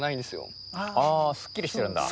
あすっきりしてるんだ。